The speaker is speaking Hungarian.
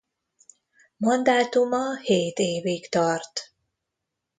Mandátuma hét évig tart.